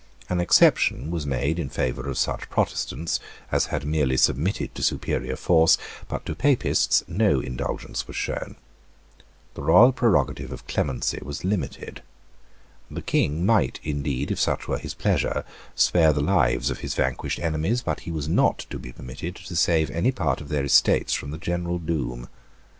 An exception was made in favour of such Protestants as had merely submitted to superior force; but to Papists no indulgence was shown. The royal prerogative of clemency was limited. The King might indeed, if such were his pleasure, spare the lives of his vanquished enemies; but he was not to be permitted to save any part of their estates from the general doom.